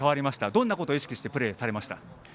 どんなことを意識してプレーされましたか？